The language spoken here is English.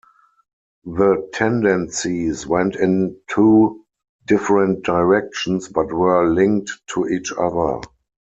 The tendencies went in two different directions, but were linked to each other.